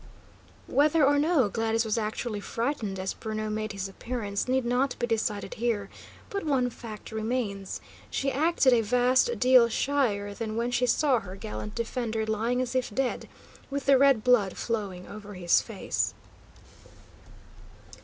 Whether or no Gladys was actually frightened as Bruno made his appearance, need not be decided here; but one fact remains: she acted a vast deal shyer than when she saw her gallant defender lying as if dead, with the red blood flowing over his face.